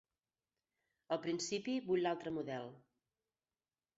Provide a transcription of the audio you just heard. Al principi vull l'altre model.